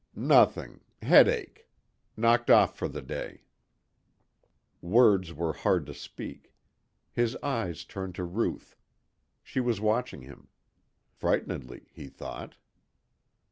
"Nothing. Headache. Knocked off for the day." Words were hard to speak. His eyes turned to Ruth. She was watching him. Frightenedly, he thought.